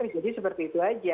jadi seperti itu saja